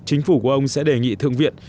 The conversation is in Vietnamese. chính phủ của ông sẽ đề nghị thượng viện